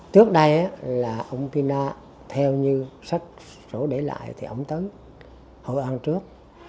trước đây ông pina theo như sách sổ để lại thì ông tới hội an trước